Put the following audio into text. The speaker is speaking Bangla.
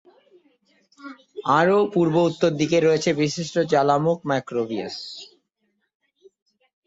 আরও পূর্ব-উত্তরপূর্ব দিকে রয়েছে বিশিষ্ট জ্বালামুখ ম্যাক্রোবিয়াস।